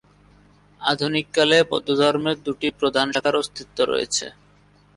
আধুনিক কালে, বৌদ্ধধর্মের দুটি প্রধান শাখার অস্তিত্ব রয়েছে।